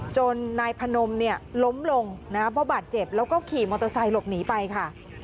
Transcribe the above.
จนนายพนมเนี่ยล้มลงนะครับเพราะบาดเจ็บแล้วก็ขี่มอเตอร์ไซค์หลบหนีไปค่ะ